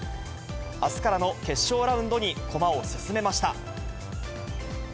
あすからの決勝ラウンドに駒を進めました。